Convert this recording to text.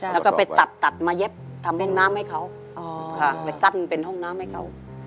แล้วก็ไปตัดตัดมาเย็บทำแม่งน้ำให้เขาไปกั้นเป็นห้องน้ำให้เขา